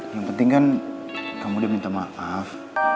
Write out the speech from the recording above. yang penting kan kamu dia minta maaf